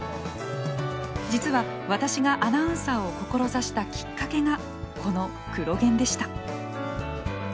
実は私がアナウンサーを志したきっかけがこの「クロ現」でした。